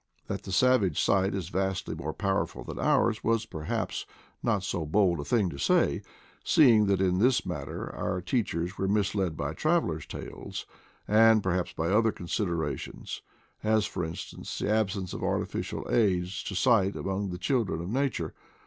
That the savage sight is vastly more powerful than ours was perhaps not so bold a thing to say, seeing that in this matter our teach ers were misled by travelers' tales, and perhaps by other considerations, as, for instance, the ab sence of artificial aids to sight among the children of nature.